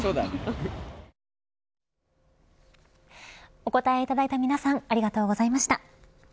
お答えいただいた皆さんありがとうございました。